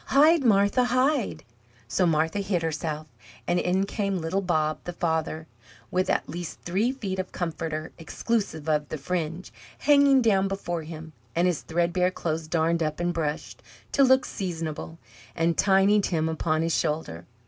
"Hide, Martha, hide!" So Martha hid herself, and in came little Bob, the father, with at least three feet of comforter, exclusive of the fringe, hanging down before him, and his threadbare clothes darned up and brushed, to look seasonable; and Tiny Tim upon his shoulder.